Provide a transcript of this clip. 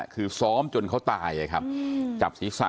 คือซ้อมจนเขาตายอ่ะครับอืมจับศีรษะ